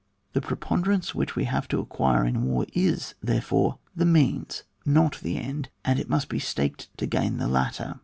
The preponderance which we have or acquire in war is, therefore, the means, not the end, and it must be staked to gain the latter.